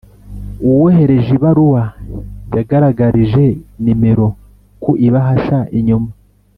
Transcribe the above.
uwohereje ibaruwa yagaragarije nimero ku ibahasha inyuma.